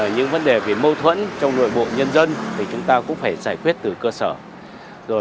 những vấn đề về mâu thuẫn trong nội bộ nhân dân thì chúng ta cũng phải giải quyết từ cơ sở